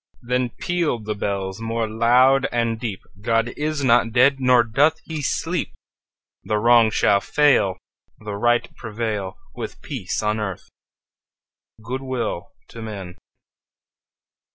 Then pealed the bells more loud and deep: "God is not dead; nor doth he sleep! The Wrong shall fail, The Right prevail, With peace on earth, good will to men!"